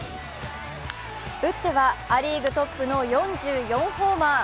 打っては、ア・リーグトップの４４ホーマー。